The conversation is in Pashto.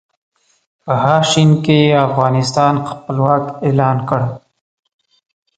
په ه ش کې یې افغانستان خپلواک اعلان کړ.